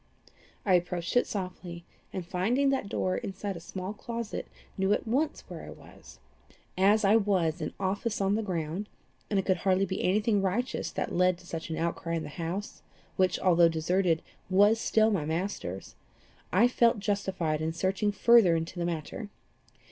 I approached it softly, and finding that door inside a small closet, knew at once where I was. As I was in office on the ground, and it could hardly be any thing righteous that led to such an outcry in the house, which, although deserted, was still my master's, I felt justified in searching further into the matter.